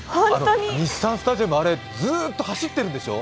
日産スタジアム、あれずっと走ってるんでしょ？